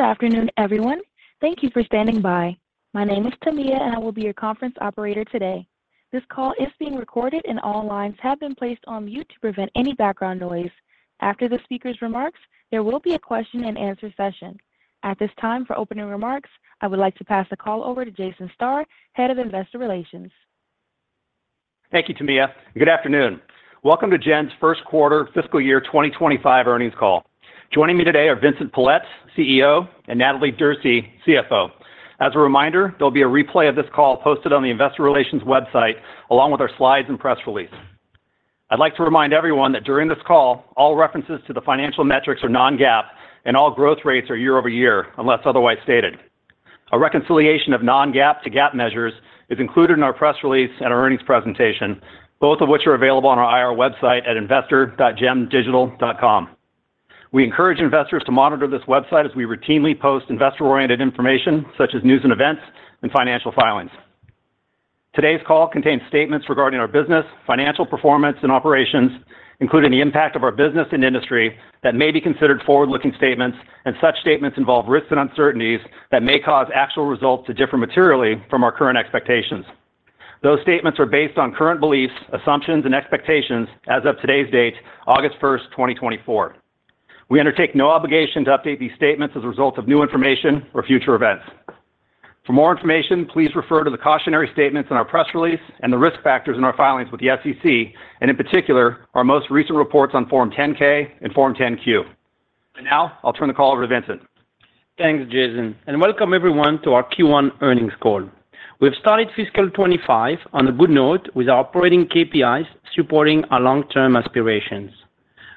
Good afternoon, everyone. Thank you for standing by. My name is Tamia, and I will be your conference operator today. This call is being recorded, and all lines have been placed on mute to prevent any background noise. After the speaker's remarks, there will be a question-and-answer session. At this time, for opening remarks, I would like to pass the call over to Jason Starr, Head of Investor Relations. Thank you, Tamia. Good afternoon. Welcome to Gen's first quarter fiscal year 2025 earnings call. Joining me today are Vincent Pilette, CEO, and Natalie Derse, CFO. As a reminder, there'll be a replay of this call posted on the Investor Relations website, along with our slides and press release. I'd like to remind everyone that during this call, all references to the financial metrics are non-GAAP, and all growth rates are year-over-year, unless otherwise stated. A reconciliation of non-GAAP to GAAP measures is included in our press release and our earnings presentation, both of which are available on our IR website at investor.gendigital.com. We encourage investors to monitor this website as we routinely post investor-oriented information, such as news and events, and financial filings. Today's call contains statements regarding our business, financial performance, and operations, including the impact of our business and industry that may be considered forward-looking statements, and such statements involve risks and uncertainties that may cause actual results to differ materially from our current expectations. Those statements are based on current beliefs, assumptions, and expectations as of today's date, August 1st, 2024. We undertake no obligation to update these statements as a result of new information or future events. For more information, please refer to the cautionary statements in our press release and the risk factors in our filings with the SEC, and in particular, our most recent reports on Form 10-K and Form 10-Q. Now, I'll turn the call over to Vincent. Thanks, Jason. Welcome, everyone, to our Q1 earnings call. We've started fiscal 2025 on a good note with our operating KPIs supporting our long-term aspirations.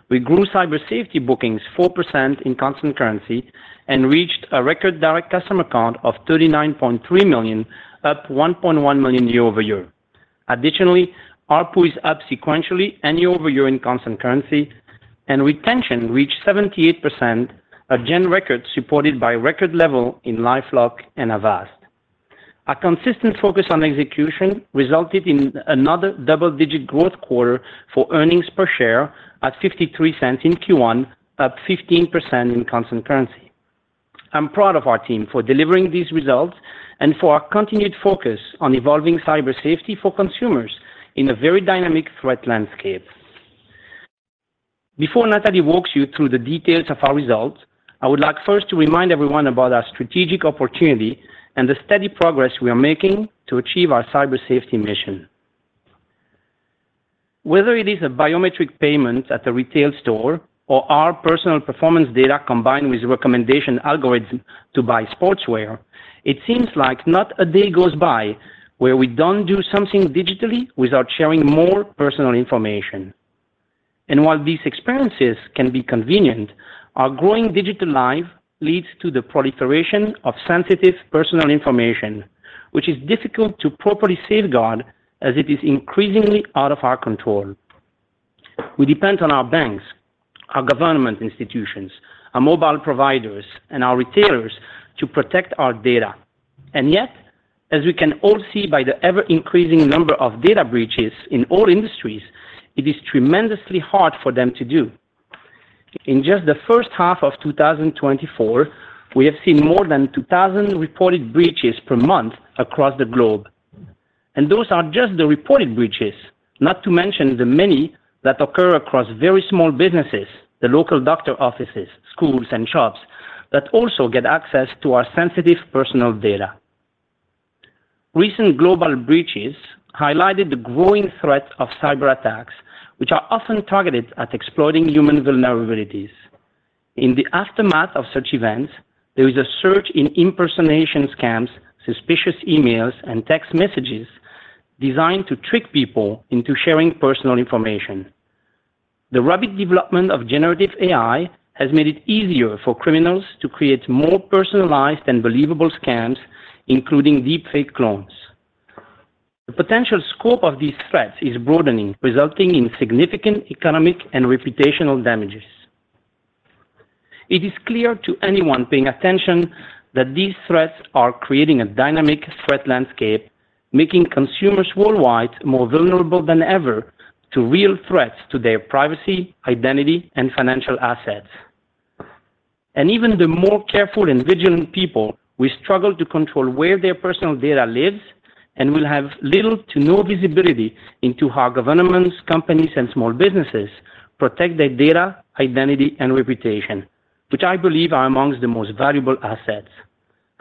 We grew Cyber Safety bookings 4% in constant currency and reached a record direct customer count of 39.3 million, up 1.1 million year-over-year. Additionally, ARPU is up sequentially and year-over-year in constant currency, and retention reached 78%, a Gen record supported by record level in LifeLock and Avast. Our consistent focus on execution resulted in another double-digit growth quarter for earnings per share at $0.53 in Q1, up 15% in constant currency. I'm proud of our team for delivering these results and for our continued focus on evolving Cyber Safety for consumers in a very dynamic threat landscape. Before Natalie walks you through the details of our results, I would like first to remind everyone about our strategic opportunity and the steady progress we are making to achieve our Cyber Safety mission. Whether it is a biometric payment at a retail store or our personal performance data combined with recommendation algorithm to buy sportswear, it seems like not a day goes by where we don't do something digitally without sharing more personal information. While these experiences can be convenient, our growing digital life leads to the proliferation of sensitive personal information, which is difficult to properly safeguard as it is increasingly out of our control. We depend on our banks, our government institutions, our mobile providers, and our retailers to protect our data. Yet, as we can all see by the ever-increasing number of data breaches in all industries, it is tremendously hard for them to do. In just the first half of 2024, we have seen more than 2,000 reported breaches per month across the globe. Those are just the reported breaches, not to mention the many that occur across very small businesses, the local doctor offices, schools, and shops that also get access to our sensitive personal data. Recent global breaches highlighted the growing threat of cyberattacks, which are often targeted at exploiting human vulnerabilities. In the aftermath of such events, there is a surge in impersonation scams, suspicious emails, and text messages designed to trick people into sharing personal information. The rapid development of Generative AI has made it easier for criminals to create more personalized and believable scams, including Deepfake clones. The potential scope of these threats is broadening, resulting in significant economic and reputational damages. It is clear to anyone paying attention that these threats are creating a dynamic threat landscape, making consumers worldwide more vulnerable than ever to real threats to their privacy, identity, and financial assets. Even the more careful and vigilant people, we struggle to control where their personal data lives and will have little to no visibility into how governments, companies, and small businesses protect their data, identity, and reputation, which I believe are among the most valuable assets.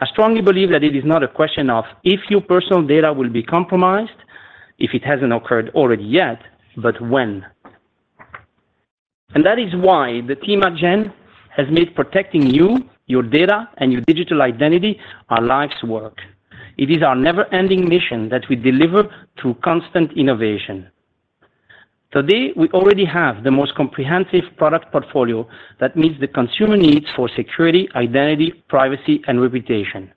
I strongly believe that it is not a question of if your personal data will be compromised, if it hasn't occurred already yet, but when. That is why the team at Gen has made protecting you, your data, and your digital identity our life's work. It is our never-ending mission that we deliver through constant innovation. Today, we already have the most comprehensive product portfolio that meets the consumer needs for security, identity, privacy, and reputation.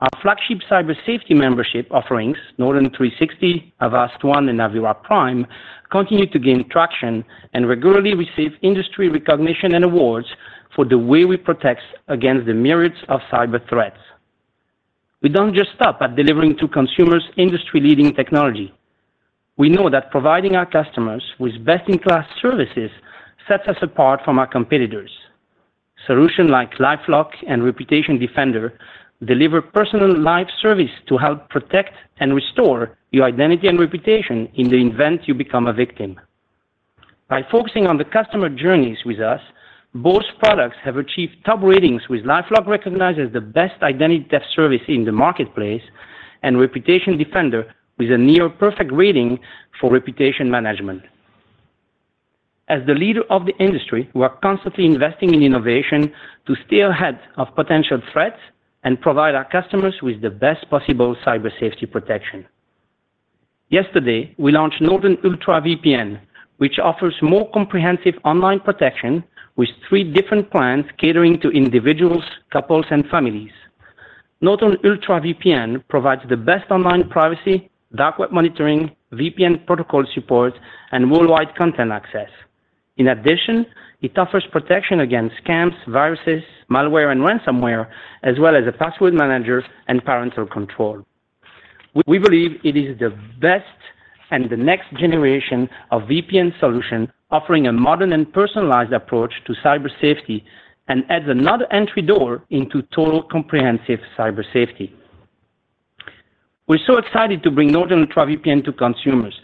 Our flagship Cyber Safety membership offerings, Norton 360, Avast One, and Avira Prime, continue to gain traction and regularly receive industry recognition and awards for the way we protect against the myriads of cyber threats. We don't just stop at delivering to consumers industry-leading technology. We know that providing our customers with best-in-class services sets us apart from our competitors. Solutions like LifeLock and ReputationDefender deliver personal live service to help protect and restore your identity and reputation in the event you become a victim. By focusing on the customer journeys with us, both products have achieved top ratings with LifeLock recognized as the best identity theft service in the marketplace and ReputationDefender with a near-perfect rating for reputation management. As the leader of the industry, we are constantly investing in innovation to stay ahead of potential threats and provide our customers with the best possible Cyber Safety protection., we launched Norton Ultra VPN, which offers more comprehensive online protection with three different plans catering to individuals, couples, and families. Norton Ultra VPN provides the best online privacy, dark web monitoring, VPN protocol support, and worldwide content access. In addition, it offers protection against scams, viruses, malware, and ransomware, as well as a password manager and parental control. We believe it is the best and the next generation of VPN solutions offering a modern and personalized approach to Cyber Safety and adds another entry door into total comprehensive Cyber Safety. We're so excited to bring Norton Ultra VPN to consumers.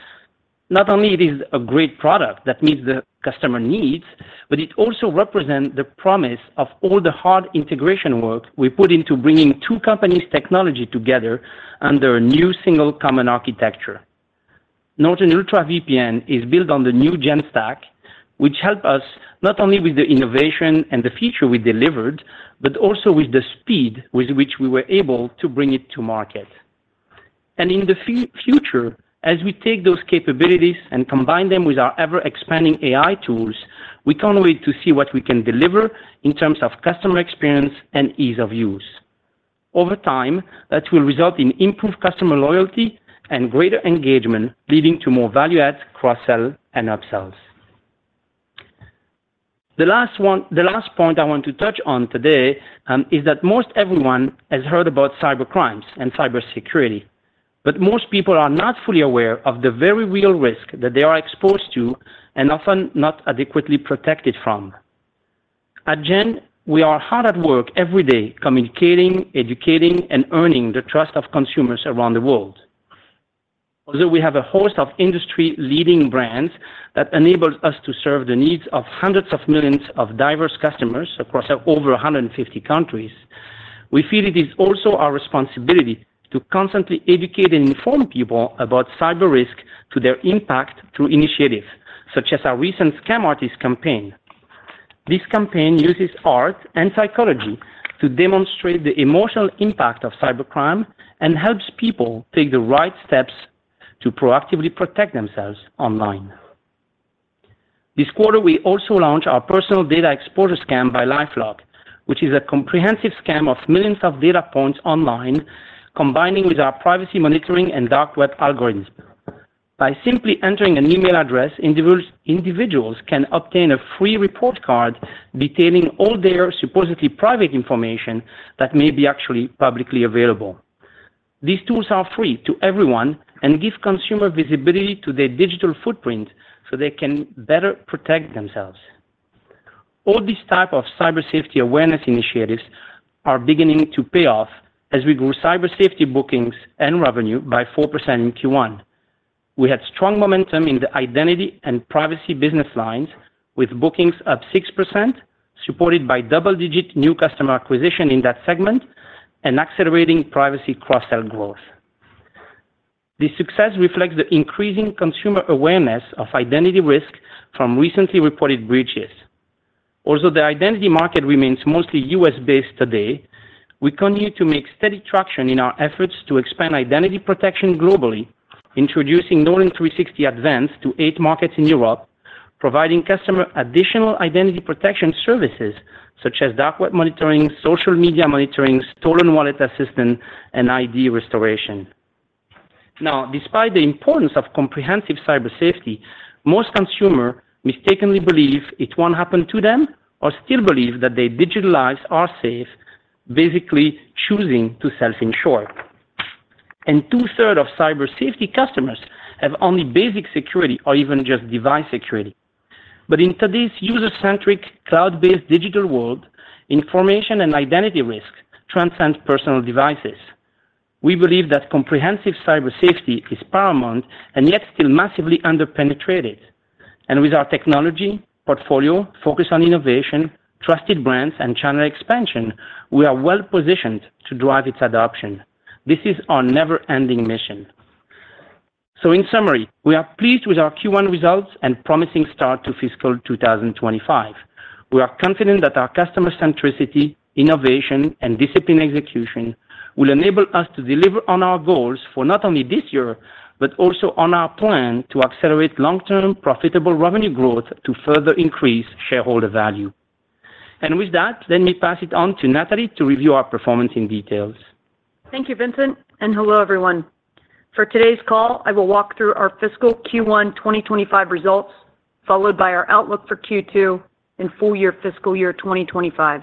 Not only is it a great product that meets the customer needs, but it also represents the promise of all the hard integration work we put into bringing two companies' technology together under a new single common architecture. Norton Ultra VPN is built on the new Gen stack, which helped us not only with the innovation and the feature we delivered, but also with the speed with which we were able to bring it to market. And in the future, as we take those capabilities and combine them with our ever-expanding AI tools, we can't wait to see what we can deliver in terms of customer experience and ease of use. Over time, that will result in improved customer loyalty and greater engagement, leading to more value-added cross-sell and up-sells. The last point I want to touch on today is that most everyone has heard about cybercrimes and cybersecurity, but most people are not fully aware of the very real risk that they are exposed to and often not adequately protected from. At Gen, we are hard at work every day communicating, educating, and earning the trust of consumers around the world. Although we have a host of industry-leading brands that enable us to serve the needs of hundreds of millions of diverse customers across over 150 countries, we feel it is also our responsibility to constantly educate and inform people about cyber risk to their impact through initiatives such as our recent Scam Artists campaign. This campaign uses art and psychology to demonstrate the emotional impact of cybercrime and helps people take the right steps to proactively protect themselves online. This quarter, we also launched our personal data exposure scan by LifeLock, which is a comprehensive scan of millions of data points online, combining with our privacy monitoring and dark web algorithms. By simply entering an email address, individuals can obtain a free report card detailing all their supposedly private information that may be actually publicly available. These tools are free to everyone and give consumers visibility to their digital footprint so they can better protect themselves. All these types of Cyber Safety awareness initiatives are beginning to pay off as we grow Cyber Safety bookings and revenue by 4% in Q1. We had strong momentum in the identity and privacy business lines with bookings up 6%, supported by double-digit new customer acquisition in that segment and accelerating privacy cross-sell growth. This success reflects the increasing consumer awareness of identity risk from recently reported breaches. Although the identity market remains mostly U.S.-based today, we continue to make steady traction in our efforts to expand identity protection globally, introducing Norton 360 Advanced to eight markets in Europe, providing customers additional identity protection services such as dark web monitoring, social media monitoring, stolen wallet assistance, and ID restoration. Now, despite the importance of comprehensive Cyber Safety, most consumers mistakenly believe it won't happen to them or still believe that their digital lives are safe, basically choosing to self-insure. Two-thirds of Cyber Safety customers have only basic security or even just device security. In today's user-centric, cloud-based digital world, information and identity risk transcends personal devices. We believe that comprehensive Cyber Safety is paramount and yet still massively under-penetrated. With our technology portfolio, focus on innovation, trusted brands, and channel expansion, we are well-positioned to drive its adoption. This is our never-ending mission. In summary, we are pleased with our Q1 results and promising start to fiscal 2025. We are confident that our customer-centricity, innovation, and discipline execution will enable us to deliver on our goals for not only this year, but also on our plan to accelerate long-term profitable revenue growth to further increase shareholder value. With that, let me pass it on to Natalie to review our performance in detail. Thank you, Vincent. Hello, everyone. For today's call, I will walk through our fiscal Q1 2025 results, followed by our outlook for Q2 and full year fiscal year 2025.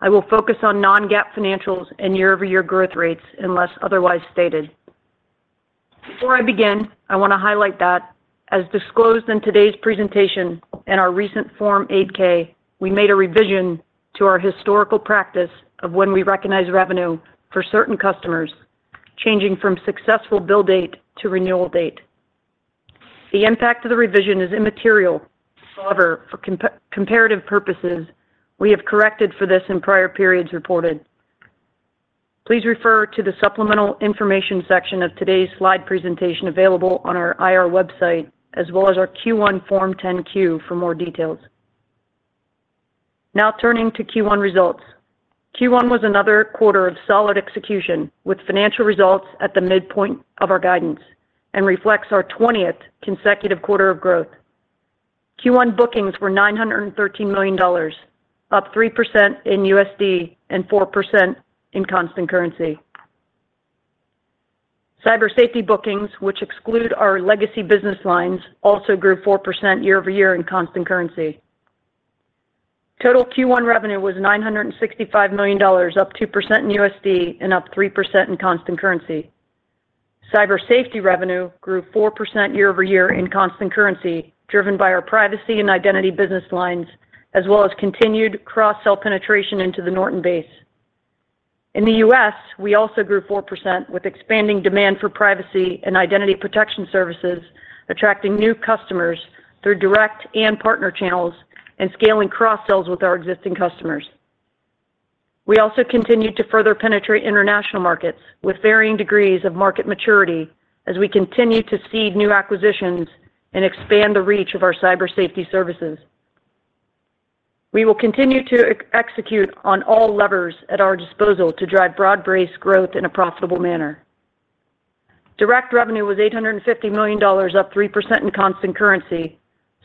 I will focus on non-GAAP financials and year-over-year growth rates unless otherwise stated. Before I begin, I want to highlight that as disclosed in today's presentation and our recent Form 8-K, we made a revision to our historical practice of when we recognize revenue for certain customers, changing from successful bill date to renewal date. The impact of the revision is immaterial. However, for comparative purposes, we have corrected for this in prior periods reported. Please refer to the supplemental information section of today's slide presentation available on our IR website, as well as our Q1 Form 10-Q for more details. Now turning to Q1 results. Q1 was another quarter of solid execution with financial results at the midpoint of our guidance and reflects our 20th consecutive quarter of growth. Q1 bookings were $913 million, up 3% in USD and 4% in constant currency. Cyber Safety bookings, which exclude our legacy business lines, also grew 4% year-over-year in constant currency. Total Q1 revenue was $965 million, up 2% in USD and up 3% in constant currency. Cyber Safety revenue grew 4% year-over-year in constant currency, driven by our privacy and identity business lines, as well as continued cross-sell penetration into the Norton base. In the U.S., we also grew 4% with expanding demand for privacy and identity protection services, attracting new customers through direct and partner channels and scaling cross-sells with our existing customers. We also continue to further penetrate international markets with varying degrees of market maturity as we continue to seed new acquisitions and expand the reach of our Cyber Safety services. We will continue to execute on all levers at our disposal to drive broad-based growth in a profitable manner. Direct revenue was $850 million, up 3% in constant currency,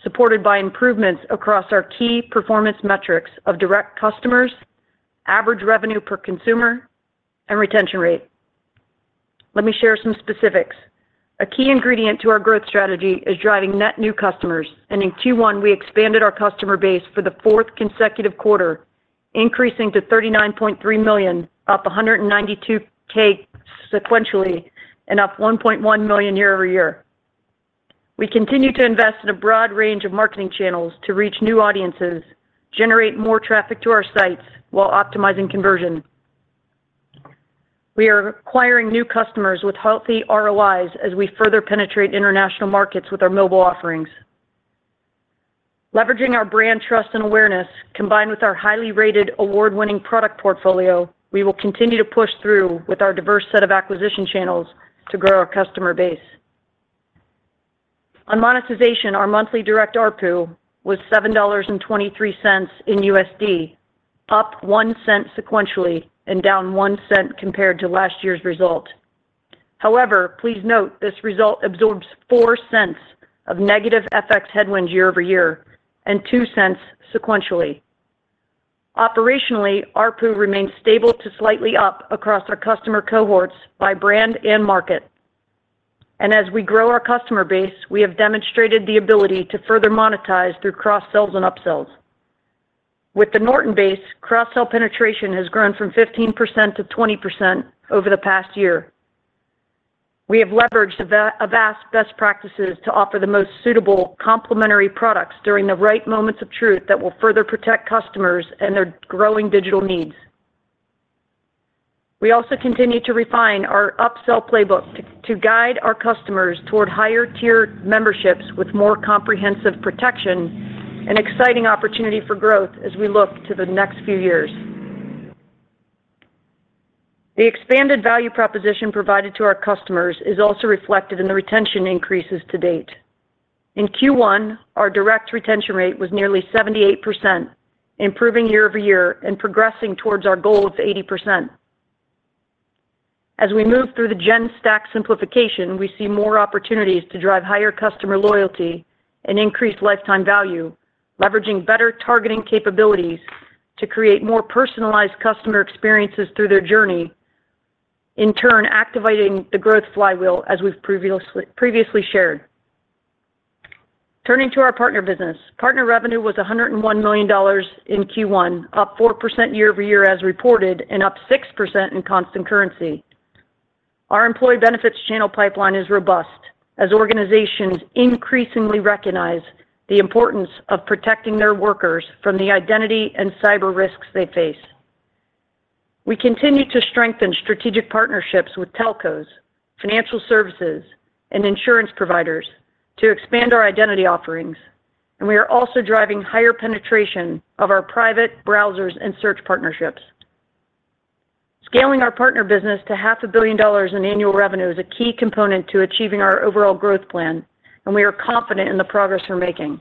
supported by improvements across our key performance metrics of direct customers, average revenue per consumer, and retention rate. Let me share some specifics. A key ingredient to our growth strategy is driving net new customers, and in Q1, we expanded our customer base for the fourth consecutive quarter, increasing to 39.3 million, up 192K sequentially, and up 1.1 million year-over-year. We continue to invest in a broad range of marketing channels to reach new audiences, generate more traffic to our sites while optimizing conversion. We are acquiring new customers with healthy ROIs as we further penetrate international markets with our mobile offerings. Leveraging our brand trust and awareness, combined with our highly rated, award-winning product portfolio, we will continue to push through with our diverse set of acquisition channels to grow our customer base. On monetization, our monthly direct ARPU was $7.23 in USD, up $0.01 sequentially and down $0.01 compared to last year's result. However, please note this result absorbs $0.04 of negative FX headwinds year-over-year and $0.02 sequentially. Operationally, ARPU remains stable to slightly up across our customer cohorts by brand and market. And as we grow our customer base, we have demonstrated the ability to further monetize through cross-sells and up-sells. With the Norton base, cross-sell penetration has grown from 15% to 20% over the past year. We have leveraged Avast's best practices to offer the most suitable complementary products during the right moments of truth that will further protect customers and their growing digital needs. We also continue to refine our up-sell playbook to guide our customers toward higher-tier memberships with more comprehensive protection and exciting opportunity for growth as we look to the next few years. The expanded value proposition provided to our customers is also reflected in the retention increases to date. In Q1, our direct retention rate was nearly 78%, improving year-over-year and progressing towards our goal of 80%. As we move through the Gen stack simplification, we see more opportunities to drive higher customer loyalty and increased lifetime value, leveraging better targeting capabilities to create more personalized customer experiences through their journey, in turn activating the growth flywheel as we've previously shared. Turning to our partner business, partner revenue was $101 million in Q1, up 4% year-over-year as reported, and up 6% in constant currency. Our employee benefits channel pipeline is robust as organizations increasingly recognize the importance of protecting their workers from the identity and cyber risks they face. We continue to strengthen strategic partnerships with telcos, financial services, and insurance providers to expand our identity offerings, and we are also driving higher penetration of our private browsers and search partnerships. Scaling our partner business to $500 million in annual revenue is a key component to achieving our overall growth plan, and we are confident in the progress we're making.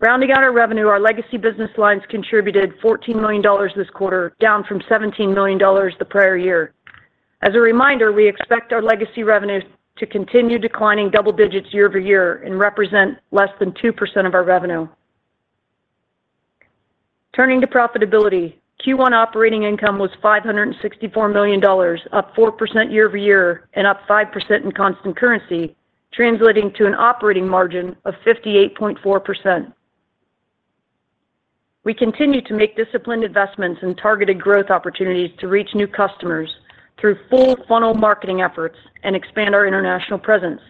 Rounding out our revenue, our legacy business lines contributed $14 million this quarter, down from $17 million the prior year. As a reminder, we expect our legacy revenue to continue declining double digits year-over-year and represent less than 2% of our revenue. Turning to profitability, Q1 operating income was $564 million, up 4% year-over-year and up 5% in constant currency, translating to an operating margin of 58.4%. We continue to make disciplined investments and targeted growth opportunities to reach new customers through full funnel marketing efforts and expand our international presence.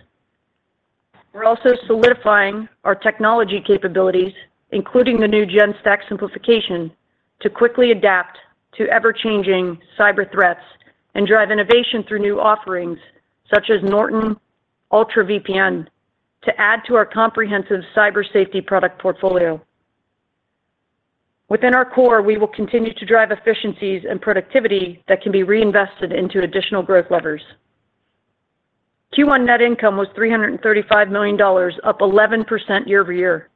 We're also solidifying our technology capabilities, including the new Gen stack simplification, to quickly adapt to ever-changing cyber threats and drive innovation through new offerings such as Norton Ultra VPN to add to our comprehensive Cyber Safety product portfolio. Within our core, we will continue to drive efficiencies and productivity that can be reinvested into additional growth levers. Q1 net income was $335 million, up 11% year-over-year.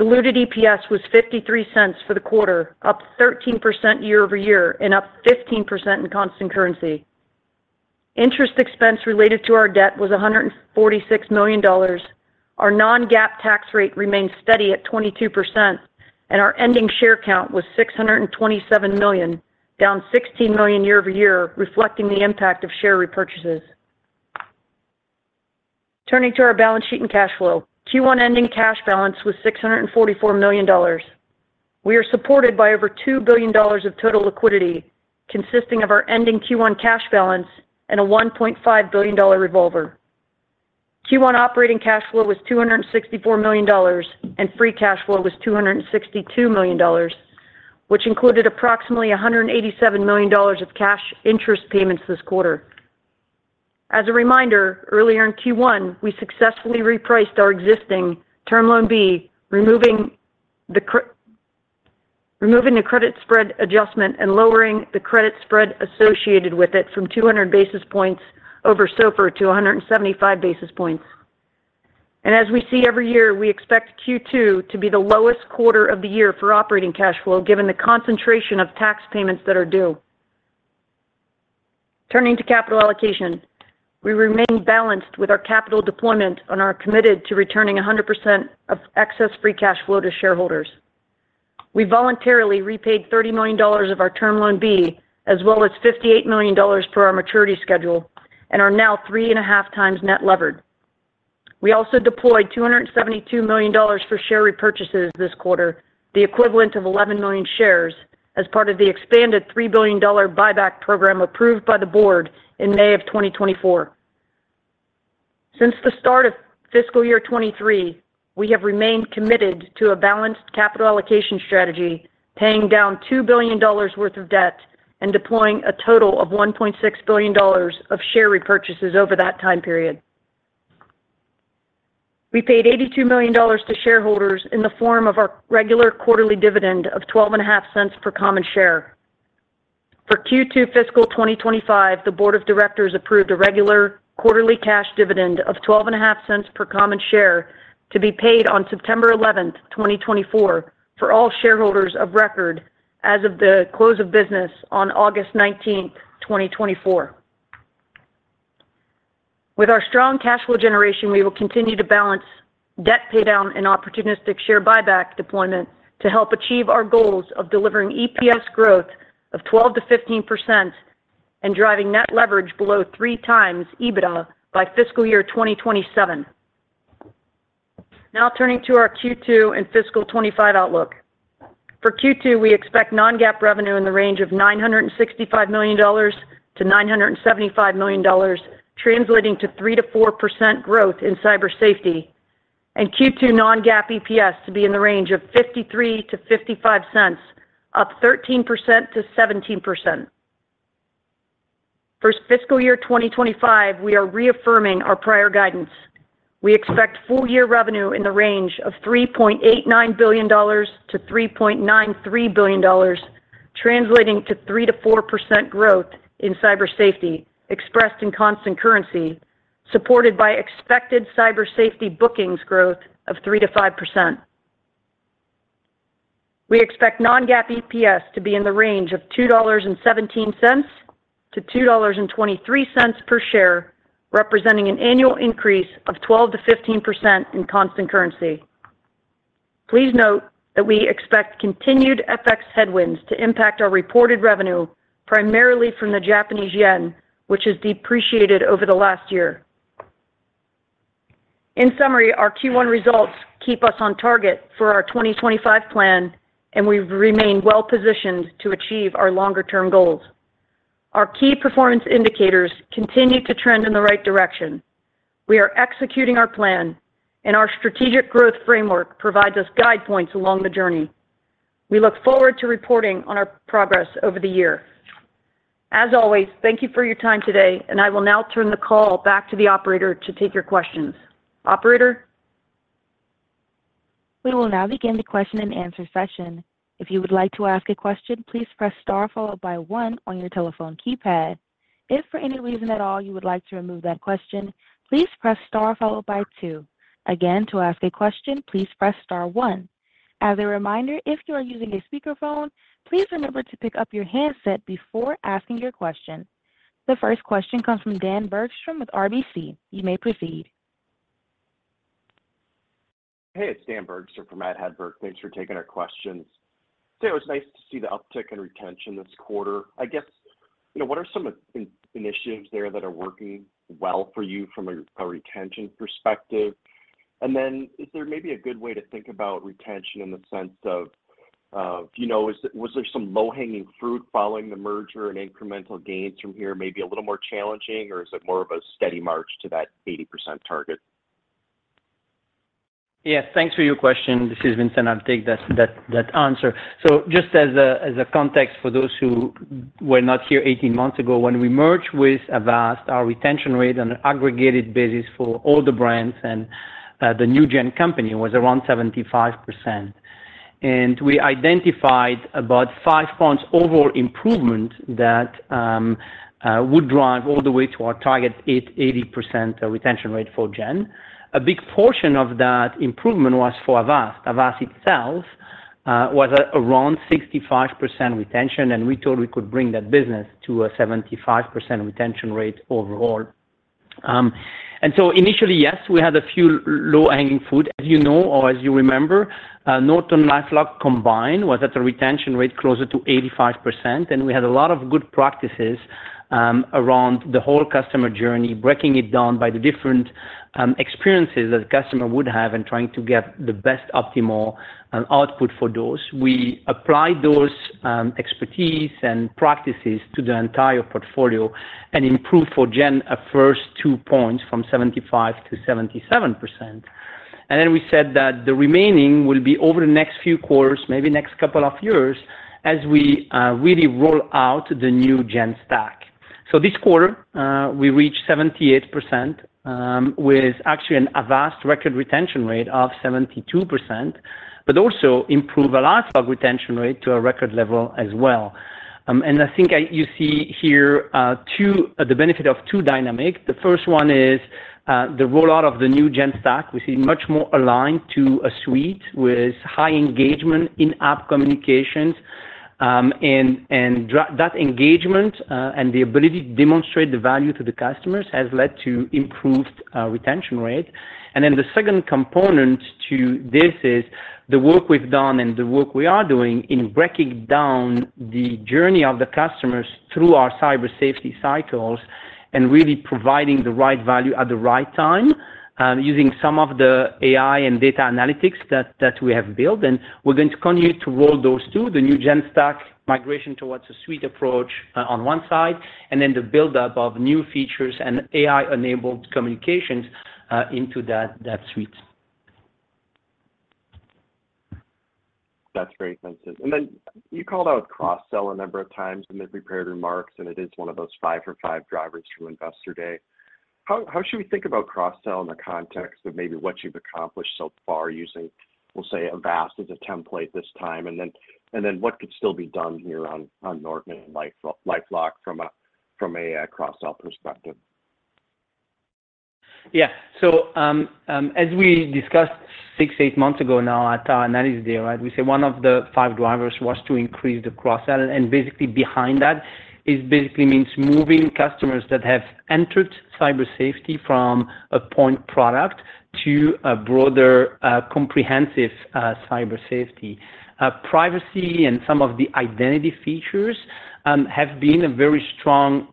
Diluted EPS was $0.53 for the quarter, up 13% year-over-year and up 15% in constant currency. Interest expense related to our debt was $146 million. Our non-GAAP tax rate remained steady at 22%, and our ending share count was 627 million, down 16 million year-over-year, reflecting the impact of share repurchases. Turning to our balance sheet and cash flow, Q1 ending cash balance was $644 million. We are supported by over $2 billion of total liquidity consisting of our ending Q1 cash balance and a $1.5 billion revolver. Q1 operating cash flow was $264 million, and free cash flow was $262 million, which included approximately $187 million of cash interest payments this quarter. As a reminder, earlier in Q1, we successfully repriced our existing Term Loan B, removing the credit spread adjustment and lowering the credit spread associated with it from 200 basis points over SOFR to 175 basis points. As we see every year, we expect Q2 to be the lowest quarter of the year for operating cash flow given the concentration of tax payments that are due. Turning to capital allocation, we remain balanced with our capital deployment and are committed to returning 100% of excess free cash flow to shareholders. We voluntarily repaid $30 million of our Term Loan B, as well as $58 million per our maturity schedule, and are now 3.5x net leveraged. We also deployed $272 million for share repurchases this quarter, the equivalent of 11 million shares, as part of the expanded $3 billion buyback program approved by the board in May of 2024. Since the start of fiscal year 2023, we have remained committed to a balanced capital allocation strategy, paying down $2 billion worth of debt and deploying a total of $1.6 billion of share repurchases over that time period. We paid $82 million to shareholders in the form of our regular quarterly dividend of $0.125 per common share. For Q2 fiscal 2025, the Board of Directors approved a regular quarterly cash dividend of $0.125 per common share to be paid on September 11, 2024, for all shareholders of record as of the close of business on August 19, 2024. With our strong cash flow generation, we will continue to balance debt paydown and opportunistic share buyback deployment to help achieve our goals of delivering EPS growth of 12%-15% and driving net leverage below 3x EBITDA by fiscal year 2027. Now turning to our Q2 and fiscal 2025 outlook. For Q2, we expect non-GAAP revenue in the range of $965 million-$975 million, translating to 3%-4% growth in Cyber Safety, and Q2 non-GAAP EPS to be in the range of $0.53-$0.55, up 13%-17%. For fiscal year 2025, we are reaffirming our prior guidance. We expect full year revenue in the range of $3.89 billion-$3.93 billion, translating to 3%-4% growth in Cyber Safety expressed in constant currency, supported by expected Cyber Safety bookings growth of 3%-5%. We expect non-GAAP EPS to be in the range of $2.17-$2.23 per share, representing an annual increase of 12%-15% in constant currency. Please note that we expect continued FX headwinds to impact our reported revenue primarily from the Japanese yen, which has depreciated over the last year. In summary, our Q1 results keep us on target for our 2025 plan, and we remain well-positioned to achieve our longer-term goals. Our key performance indicators continue to trend in the right direction. We are executing our plan, and our strategic growth framework provides us guide points along the journey. We look forward to reporting on our progress over the year. As always, thank you for your time today, and I will now turn the call back to the operator to take your questions. Operator. We will now begin the question and answer session. If you would like to ask a question, please press star followed by one on your telephone keypad. If for any reason at all you would like to remove that question, please press star followed by two. Again, to ask a question, please press star one. As a reminder, if you are using a speakerphone, please remember to pick up your handset before asking your question. The first question comes from Dan Bergstrom with RBC. You may proceed. Hey, it's Dan Bergstrom for Matt Hedberg. Thanks for taking our questions. It's nice to see the uptick in retention this quarter. I guess, what are some initiatives there that are working well for you from a retention perspective? And then is there maybe a good way to think about retention in the sense of, was there some low-hanging fruit following the merger and incremental gains from here? Maybe a little more challenging, or is it more of a steady march to that 80% target? Yes, thanks for your question. This is Vincent. I'll take that answer. So just as a context for those who were not here 18 months ago, when we merged with Avast, our retention rate on an aggregated basis for all the brands and the new Gen company was around 75%. And we identified about five points overall improvement that would drive all the way to our target 80% retention rate for Gen. A big portion of that improvement was for Avast. Avast itself was around 65% retention, and we thought we could bring that business to a 75% retention rate overall. And so initially, yes, we had a few low-hanging fruit, as you know or as you remember. NortonLifeLock combined was at a retention rate closer to 85%, and we had a lot of good practices around the whole customer journey, breaking it down by the different experiences that the customer would have and trying to get the best optimal output for those. We applied those expertise and practices to the entire portfolio and improved for Gen at first 2 points from 75% to 77%. And then we said that the remaining will be over the next few quarters, maybe next couple of years, as we really roll out the new Gen stack. So this quarter, we reached 78% with actually an Avast record retention rate of 72%, but also improved a lot of retention rate to a record level as well. And I think you see here the benefit of two dynamics. The first one is the rollout of the new Gen stack. We see much more aligned to a suite with high engagement in app communications. That engagement and the ability to demonstrate the value to the customers has led to improved retention rate. Then the second component to this is the work we've done and the work we are doing in breaking down the journey of the customers through our Cyber Safety cycles and really providing the right value at the right time using some of the AI and data analytics that we have built. We're going to continue to roll those to the new Gen stack migration towards a suite approach on one side, and then the build-up of new features and AI-enabled communications into that suite. That's very good. Then you called out cross-sell a number of times in the prepared remarks, and it is one of those five for five drivers through Investor Day. How should we think about cross-sell in the context of maybe what you've accomplished so far using, we'll say, Avast as a template this time? And then what could still be done here on Norton and LifeLock from a cross-sell perspective? Yeah. So as we discussed six, eight months ago now at our Analyst Day, right, we said one of the five drivers was to increase the cross-sell. And basically behind that is basically means moving customers that have entered Cyber Safety from a point product to a broader comprehensive Cyber Safety. Privacy and some of the identity features have been a very strong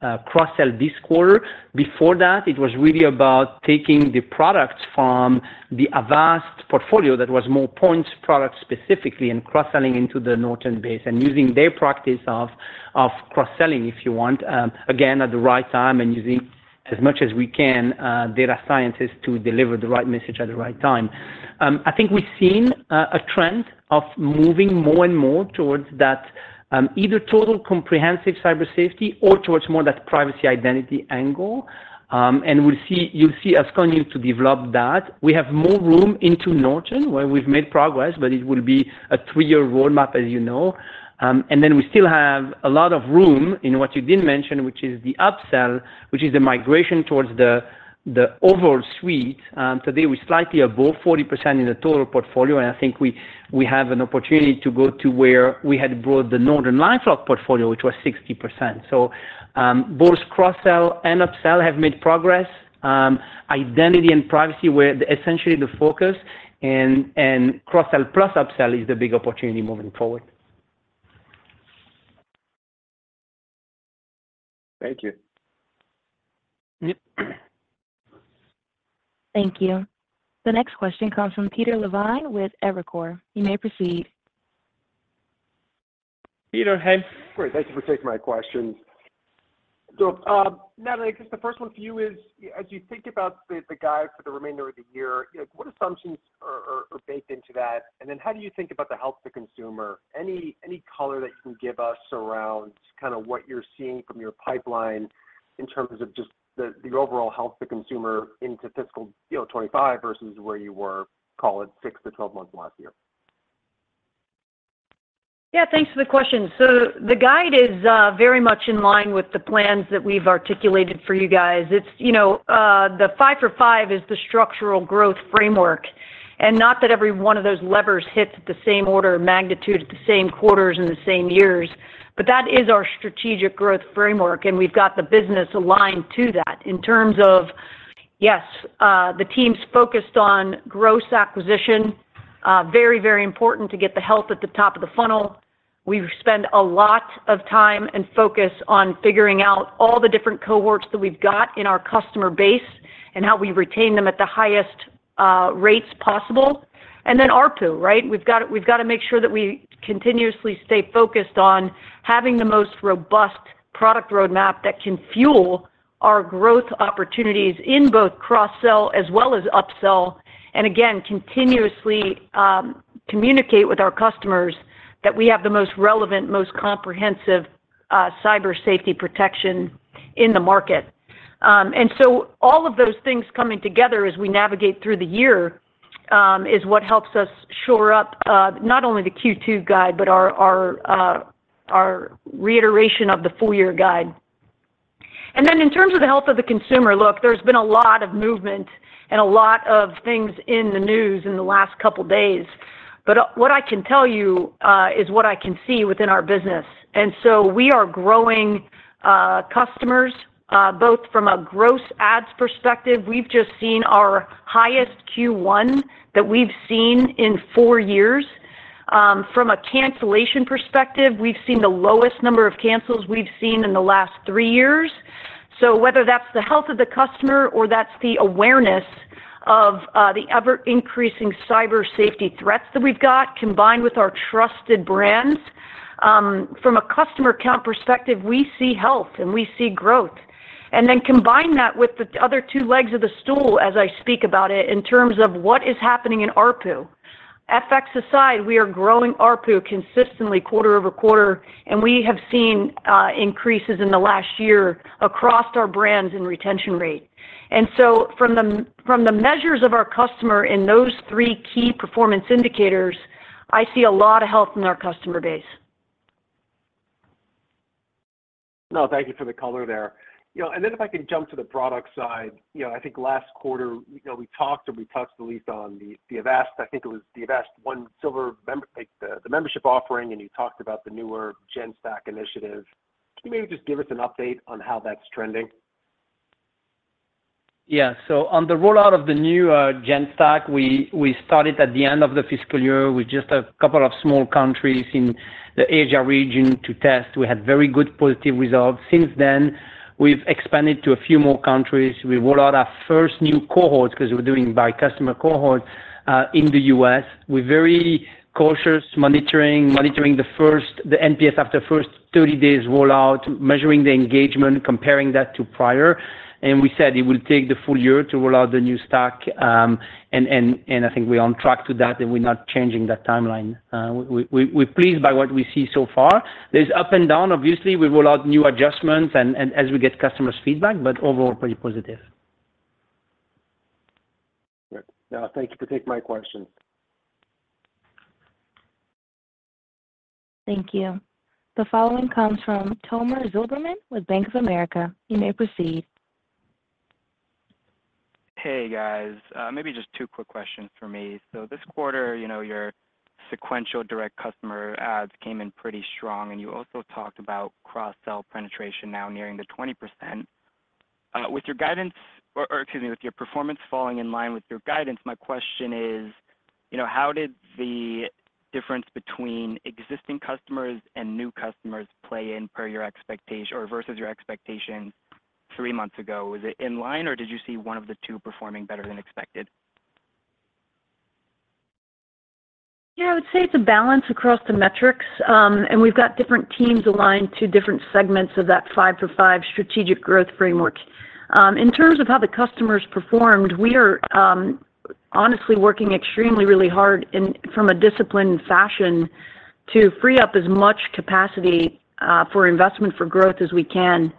cross-sell this quarter. Before that, it was really about taking the products from the Avast portfolio that was more points product specifically and cross-selling into the Norton base and using their practice of cross-selling, if you want, again, at the right time and using as much as we can data scientists to deliver the right message at the right time. I think we've seen a trend of moving more and more towards that either total comprehensive Cyber Safety or towards more that privacy identity angle. And you'll see us continue to develop that. We have more room into Norton where we've made progress, but it will be a three-year roadmap, as you know. And then we still have a lot of room in what you did mention, which is the upsell, which is the migration towards the overall suite. Today, we're slightly above 40% in the total portfolio, and I think we have an opportunity to go to where we had brought the NortonLifeLock portfolio, which was 60%. So both cross-sell and upsell have made progress. Identity and privacy were essentially the focus, and cross-sell plus upsell is the big opportunity moving forward. Thank you. Thank you. The next question comes from Peter Levine with Evercore. You may proceed. Peter, hey. Great. Thank you for taking my questions. So Natalie, I guess the first one for you is, as you think about the guide for the remainder of the year, what assumptions are baked into that? And then how do you think about the health of the consumer? Any color that you can give us around kind of what you're seeing from your pipeline in terms of just the overall health of the consumer into fiscal 2025 versus where you were, call it six to 12 months last year? Yeah, thanks for the question. So the guide is very much in line with the plans that we've articulated for you guys. The five for five is the structural growth framework, and not that every one of those levers hits at the same order of magnitude at the same quarters in the same years, but that is our strategic growth framework, and we've got the business aligned to that in terms of, yes, the team's focused on gross acquisition, very, very important to get the health at the top of the funnel. We spend a lot of time and focus on figuring out all the different cohorts that we've got in our customer base and how we retain them at the highest rates possible. And then ARPU, right? We've got to make sure that we continuously stay focused on having the most robust product roadmap that can fuel our growth opportunities in both cross-sell as well as upsell. And again, continuously communicate with our customers that we have the most relevant, most comprehensive Cyber Safety protection in the market. And so all of those things coming together as we navigate through the year is what helps us shore up not only the Q2 guide, but our reiteration of the full year guide. And then in terms of the health of the consumer, look, there's been a lot of movement and a lot of things in the news in the last couple of days, but what I can tell you is what I can see within our business. And so we are growing customers both from a gross adds perspective. We've just seen our highest Q1 that we've seen in four years. From a cancellation perspective, we've seen the lowest number of cancels we've seen in the last three years. So whether that's the health of the customer or that's the awareness of the ever-increasing cybersafety threats that we've got combined with our trusted brands, from a customer account perspective, we see health and we see growth. And then combine that with the other two legs of the stool as I speak about it in terms of what is happening in ARPU. FX aside, we are growing ARPU consistently quarter-over-quarter, and we have seen increases in the last year across our brands in retention rate. And so from the measures of our customer in those three key performance indicators, I see a lot of health in our customer base. Thank you for the color there. And then if I can jump to the product side, I think last quarter we talked or we touched the least on the Avast. I think it was the Avast One Silver membership offering, and you talked about the newer Gen stack initiative. Can you maybe just give us an update on how that's trending? Yeah. So on the rollout of the new Gen stack, we started at the end of the fiscal year with just a couple of small countries in the Asia region to test. We had very good positive results. Since then, we've expanded to a few more countries. We rolled out our first new cohort because we're doing by customer cohort in the U.S. We're very cautious monitoring the NPS after first 30 days rollout, measuring the engagement, comparing that to prior. We said it will take the full year to roll out the new stack, and I think we're on track to that, and we're not changing that timeline. We're pleased by what we see so far. There's up and down, obviously. We roll out new adjustments as we get customers' feedback, but overall pretty positive. Thank you for taking my questions. Thank you. The following comes from Tomer Zilberman with Bank of America. You may proceed. Hey, guys. Maybe just two quick questions for me. So this quarter, your sequential direct customer adds came in pretty strong, and you also talked about cross-sell penetration now nearing 20%. With your guidance, or excuse me, with your performance falling in line with your guidance, my question is, how did the difference between existing customers and new customers play in per your expectation or versus your expectations three months ago? Was it in line, or did you see one of the two performing better than expected? Yeah, I would say it's a balance across the metrics, and we've got different teams aligned to different segments of that five for five strategic growth framework. In terms of how the customers performed, we are honestly working extremely really hard from a disciplined fashion to free up as much capacity for investment for growth as we can.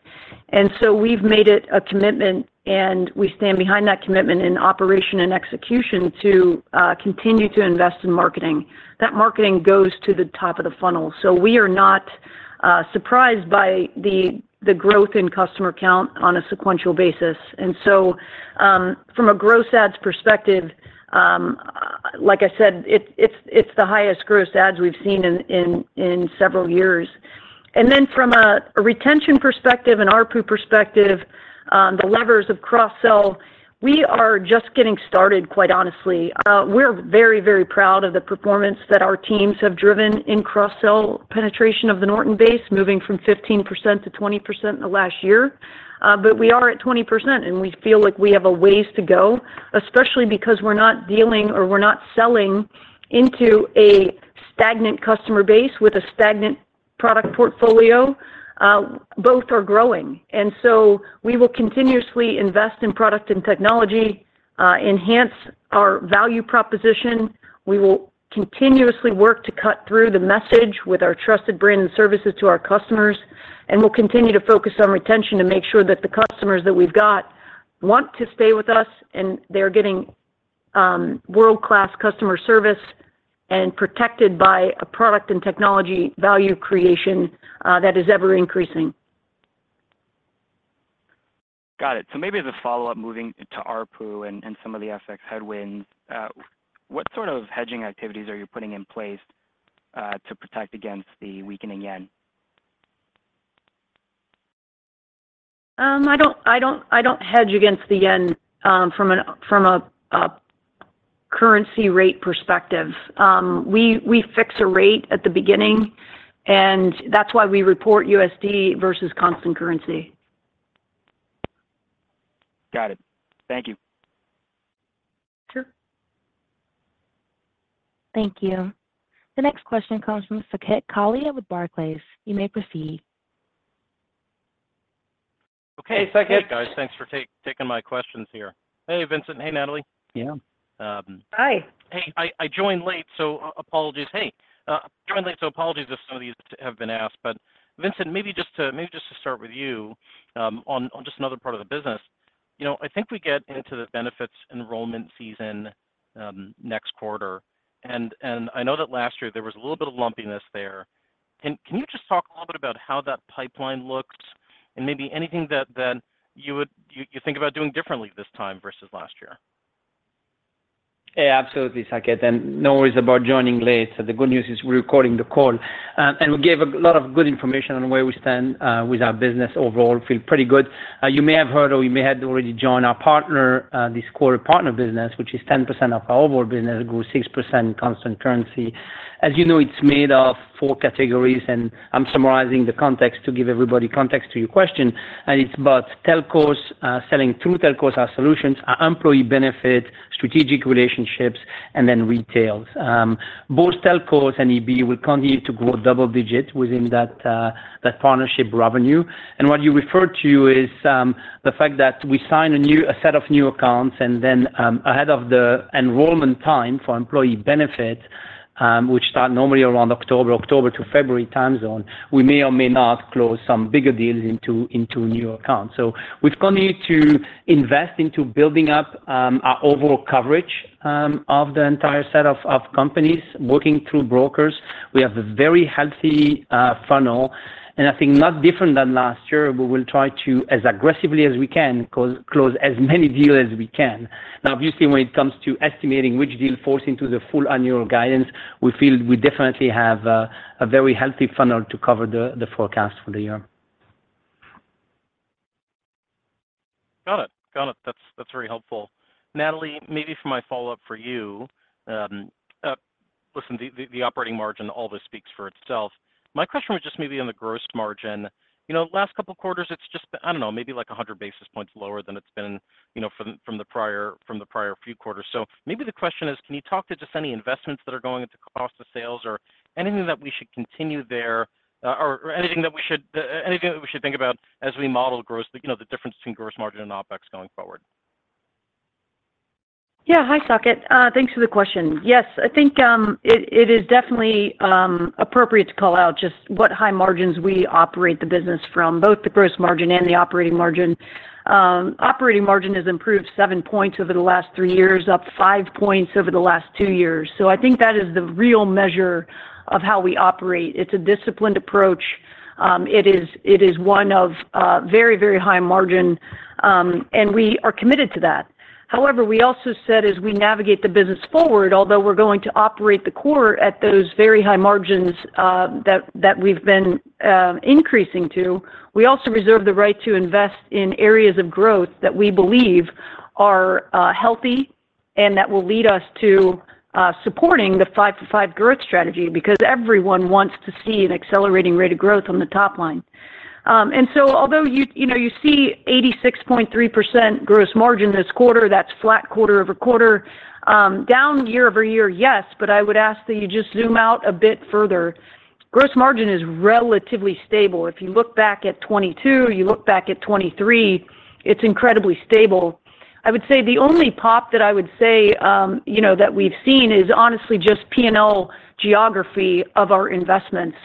We've made it a commitment, and we stand behind that commitment in operation and execution to continue to invest in marketing. That marketing goes to the top of the funnel. We are not surprised by the growth in customer count on a sequential basis. From a gross adds perspective, like I said, it's the highest gross adds we've seen in several years. From a retention perspective and our ARPU perspective, the levers of cross-sell, we are just getting started, quite honestly. We're very, very proud of the performance that our teams have driven in cross-sell penetration of the Norton base, moving from 15%-20% in the last year. But we are at 20%, and we feel like we have a ways to go, especially because we're not dealing or we're not selling into a stagnant customer base with a stagnant product portfolio. Both are growing. And so we will continuously invest in product and technology, enhance our value proposition. We will continuously work to cut through the message with our trusted brand and services to our customers. And we'll continue to focus on retention to make sure that the customers that we've got want to stay with us, and they're getting world-class customer service and protected by a product and technology value creation that is ever-increasing. Got it. So maybe as a follow-up moving to ARPU and some of the FX headwinds, what sort of hedging activities are you putting in place to protect against the weakening yen? I don't hedge against the yen from a currency rate perspective. We fix a rate at the beginning, and that's why we report USD versus constant currency. Got it. Thank you. Sure. Thank you. The next question comes from Saket Kalia with Barclays. You may proceed. Okay, Saket. Hey, guys. Thanks for taking my questions here. Hey, Vincent. Hey, Natalie. Yeah. Hi. Hey, I joined late, so apologies. Hey, joined late, so apologies if some of these have been asked. But Vincent, maybe just to start with you on just another part of the business, I think we get into the benefits enrollment season next quarter. And I know that last year there was a little bit of lumpiness there. Can you just talk a little bit about how that pipeline looks and maybe anything that you think about doing differently this time versus last year? Yeah, absolutely, Saket. And no worries about joining late. The good news is we're recording the call. And we gave a lot of good information on where we stand with our business overall. Feel pretty good. You may have heard or you may have already joined our partner; this quarter partner business, which is 10% of our overall business, grew 6% in constant currency. As you know, it's made of four categories, and I'm summarizing the context to give everybody context to your question. It's about telcos, selling through telcos our solutions, our employee benefit, strategic relationships, and then retails. Both telcos and EB will continue to grow double-digit within that partnership revenue. What you referred to is the fact that we sign a set of new accounts, and then ahead of the enrollment time for employee benefit, which start normally around October to February time zone, we may or may not close some bigger deals into new accounts. We've continued to invest into building up our overall coverage of the entire set of companies working through brokers. We have a very healthy funnel, and I think not different than last year, we will try to, as aggressively as we can, close as many deals as we can. Now, obviously, when it comes to estimating which deal falls into the full annual guidance, we feel we definitely have a very healthy funnel to cover the forecast for the year. Got it. Got it. That's very helpful. Natalie, maybe for my follow-up for you, listen, the operating margin always speaks for itself. My question was just maybe on the gross margin. Last couple of quarters, it's just been, I don't know, maybe like 100 basis points lower than it's been from the prior few quarters. So maybe the question is, can you talk to just any investments that are going into cost of sales or anything that we should continue there or anything that we should think about as we model the difference between gross margin and OPEX going forward? Yeah. Hi, Saket. Thanks for the question. Yes, I think it is definitely appropriate to call out just what high margins we operate the business from, both the gross margin and the operating margin. Operating margin has improved 7 points over the last three years, up 5 points over the last two years. So I think that is the real measure of how we operate. It's a disciplined approach. It is one of very, very high margin, and we are committed to that. However, we also said as we navigate the business forward, although we're going to operate the quarter at those very high margins that we've been increasing to, we also reserve the right to invest in areas of growth that we believe are healthy and that will lead us to supporting the five for five growth strategy because everyone wants to see an accelerating rate of growth on the top line. And so although you see 86.3% gross margin this quarter, that's flat quarter-over-quarter. Down year-over-year, yes, but I would ask that you just zoom out a bit further. Gross margin is relatively stable. If you look back at 2022, you look back at 2023, it's incredibly stable. I would say the only pop that I would say that we've seen is honestly just P&L geography of our investments.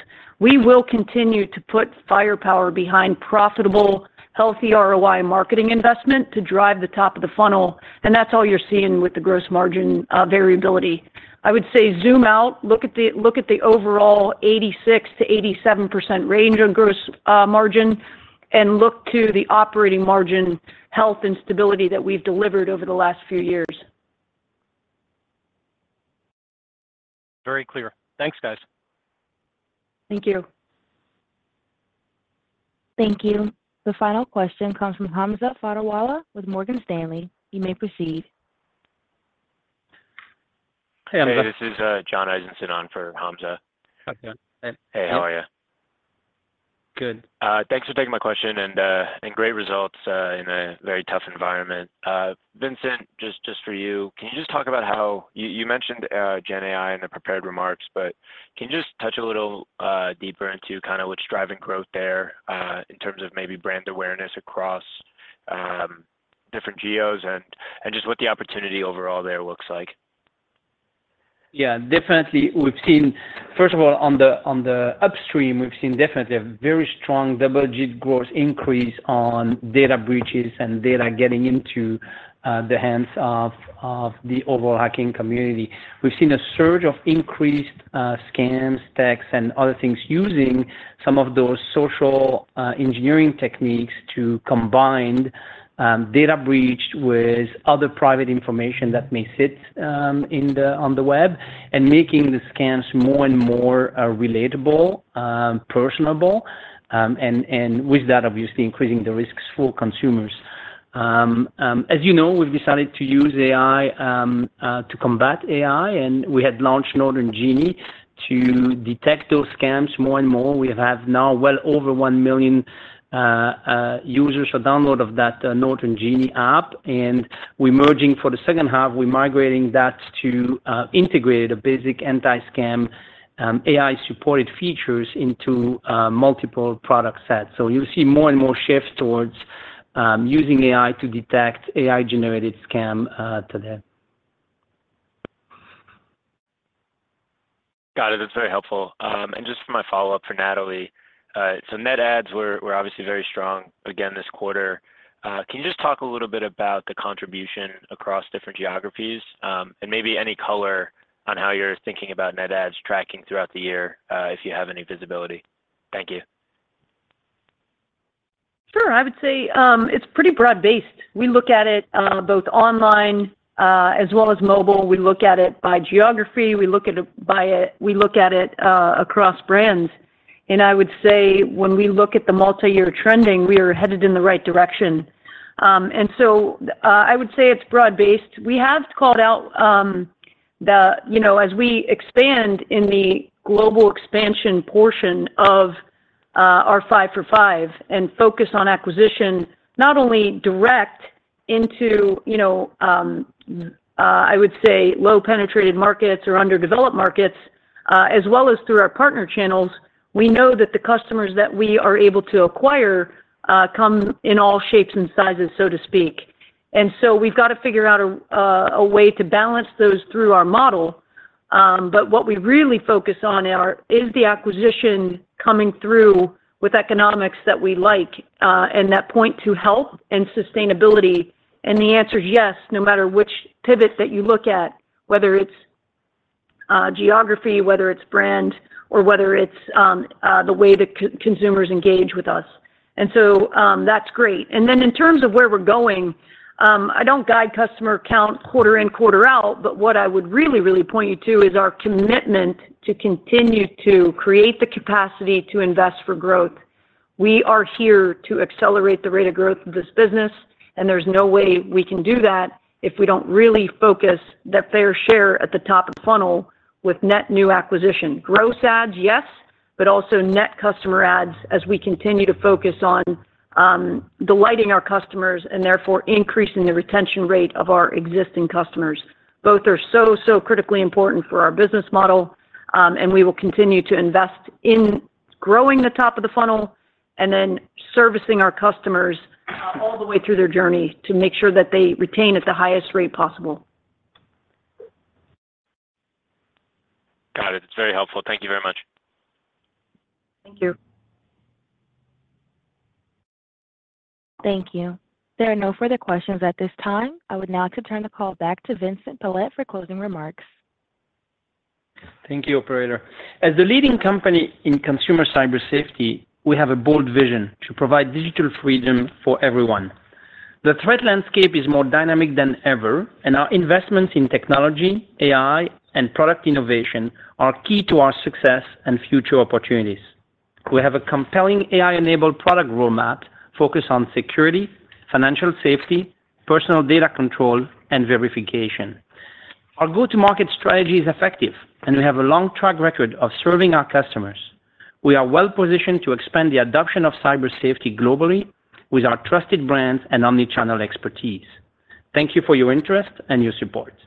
We will continue to put firepower behind profitable, healthy ROI marketing investment to drive the top of the funnel, and that's all you're seeing with the gross margin variability. I would say zoom out, look at the overall 86%-87% range of gross margin, and look to the operating margin health and stability that we've delivered over the last few years. Very clear. Thanks, guys. Thank you. Thank you. The final question comes from Hamza Fodderwala with Morgan Stanley. You may proceed. Hey, Hamza. This is John Dickinson on for Hamza. Hey, how are you? Good. Thanks for taking my question and great results in a very tough environment. Vincent, just for you, can you just talk about how you mentioned Gen AI in the prepared remarks, but can you just touch a little deeper into kind of what's driving growth there in terms of maybe brand awareness across different geos and just what the opportunity overall there looks like? Yeah, definitely. First of all, on the upstream, we've seen definitely a very strong double-digit growth increase on data breaches and data getting into the hands of the overall hacking community. We've seen a surge of increased scans, texts, and other things using some of those social engineering techniques to combine data breached with other private information that may sit on the web and making the scans more and more relatable, personable, and with that, obviously, increasing the risks for consumers. As you know, we've decided to use AI to combat AI, and we had launched Norton Genie to detect those scams more and more. We have now well over 1 million users for download of that Norton Genie app, and we're merging for the second half. We're migrating that to integrate a basic anti-scam AI-supported features into multiple product sets. So you'll see more and more shifts towards using AI to detect AI-generated scam today. Got it. That's very helpful. And just for my follow-up for Natalie, so net adds, we're obviously very strong again this quarter. Can you just talk a little bit about the contribution across different geographies and maybe any color on how you're thinking about net adds tracking throughout the year if you have any visibility? Thank you. Sure. I would say it's pretty broad-based. We look at it both online as well as mobile. We look at it by geography. We look at it across brands. And I would say when we look at the multi-year trending, we are headed in the right direction. And so I would say it's broad-based. We have called out that as we expand in the global expansion portion of our five for five and focus on acquisition, not only direct into, I would say, low-penetrated markets or underdeveloped markets, as well as through our partner channels, we know that the customers that we are able to acquire come in all shapes and sizes, so to speak. And so we've got to figure out a way to balance those through our model. But what we really focus on is the acquisition coming through with economics that we like and that point to health and sustainability. The answer is yes, no matter which pivot that you look at, whether it's geography, whether it's brand, or whether it's the way that consumers engage with us. So that's great. Then in terms of where we're going, I don't guide customer count quarter in, quarter out, but what I would really, really point you to is our commitment to continue to create the capacity to invest for growth. We are here to accelerate the rate of growth of this business, and there's no way we can do that if we don't really focus that fair share at the top of the funnel with net new acquisition. Gross adds, yes, but also net customer adds as we continue to focus on delighting our customers and therefore increasing the retention rate of our existing customers. Both are so, so critically important for our business model, and we will continue to invest in growing the top of the funnel and then servicing our customers all the way through their journey to make sure that they retain at the highest rate possible. Got it. It's very helpful. Thank you very much. Thank you. Thank you. There are no further questions at this time. I would now like to turn the call back to Vincent Pilette for closing remarks. Thank you, Operator. As the leading company in Consumer Cyber Safety, we have a bold vision to provide digital freedom for everyone. The threat landscape is more dynamic than ever, and our investments in technology, AI, and product innovation are key to our success and future opportunities. We have a compelling AI-enabled product roadmap focused on security, financial safety, personal data control, and verification. Our go-to-market strategy is effective, and we have a long track record of serving our customers. We are well-positioned to expand the adoption of Cyber Safety globally with our trusted brands and omnichannel expertise. Thank you for your interest and your support.